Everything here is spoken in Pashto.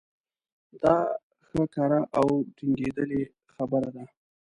دا ښه کره او ټنګېدلې خبره ده.